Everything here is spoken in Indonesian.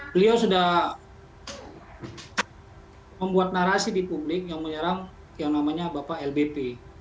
beliau sudah membuat narasi di publik yang menyerang yang namanya bapak lbp